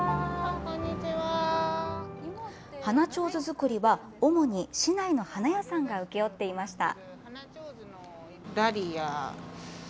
花ちょうず作りは、主に市内の花屋さんが請け負っていました。